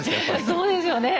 そうですよね。